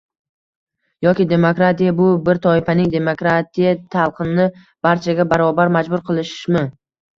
Yoki demokratiya bu bir toifaning demokratiya talqinini barchaga barobar majbur qilishmi?